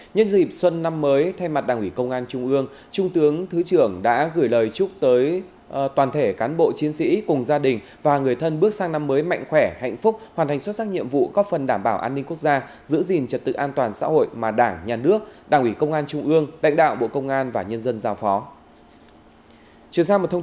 nhân dịp xuân năm mới thay mặt đảng ủy công an trung ương trung tướng thứ trưởng đã gửi lời chúc tới toàn thể cán bộ chiến sĩ cùng gia đình và người thân bước sang năm mới mạnh khỏe hạnh phúc hoàn thành xuất sắc nhiệm vụ có phần đảm bảo an ninh quốc gia giữ gìn trật tự an toàn xã hội mà đảng nhà nước đảng ủy công an trung ương đại đạo bộ công an và nhân dân giao phó